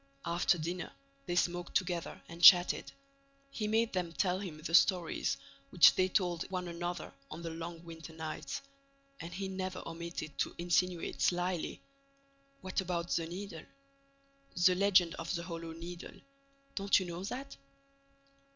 After dinner, they smoked together and chatted. He made them tell him the stories which they told one another on the long winter nights. And he never omitted to insinuate, slily: "What about the Needle? The legend of the Hollow Needle? Don't you know that?"